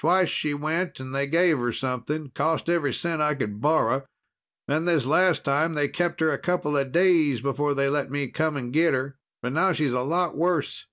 Twice she went and they gave her something. Cost every cent I could borrow. Then this last time, they kept her a couple days before they let me come and get her. But now she's a lot worse."